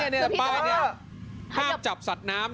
สภาพจับสัตว์น้ำ